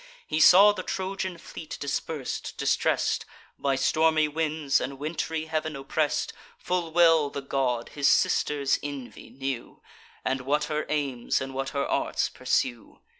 He saw the Trojan fleet dispers'd, distress'd, By stormy winds and wintry heav'n oppress'd. Full well the god his sister's envy knew, And what her aims and what her arts pursue.